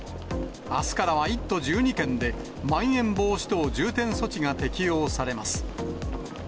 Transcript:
あすからは１都１２県で、まん延防止等重点措置が適用されます。